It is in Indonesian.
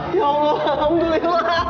ya allah alhamdulillah